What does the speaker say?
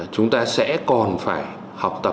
chúng ta sẽ còn phải học tập